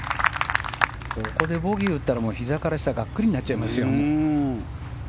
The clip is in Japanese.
ここでボギーを打ったらひざから下、がっくりになっちゃいますよ。